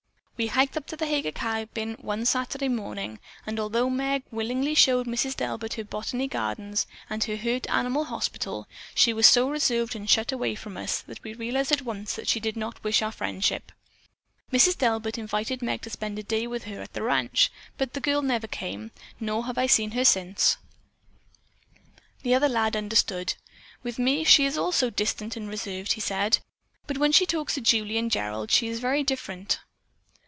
We hiked up to the Heger cabin one Saturday morning, and although Meg willingly showed Mrs. Delbert her botany gardens, and her hurt animal hospital, she was so reserved and shut away from us, that we realized at once that she did not wish our friendship. Mrs. Delbert invited Meg to spend a day with her at the ranch, but the girl never came, nor have I seen her since." The other lad understood. "With me she is also distant and reserved," he said, "but when she talks to Julie and Gerald she is very different."